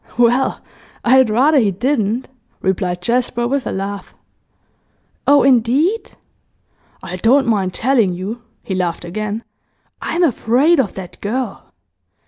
'Well, I had rather he didn't,' replied Jasper, with a laugh. 'Oh, indeed?' 'I don't mind telling you,' he laughed again. 'I'm afraid of that girl.